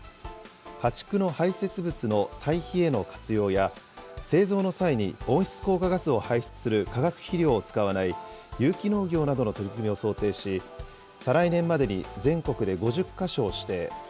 家畜の排せつ物の堆肥への活用や、製造の際に温室効果ガスを排出する化学肥料を使わない、有機農業などの取り組みを想定し、再来年までに全国で５０か所を指定。